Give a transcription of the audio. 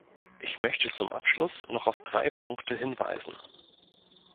Ich möchte zum Abschluss noch auf drei Punkte hinweisen.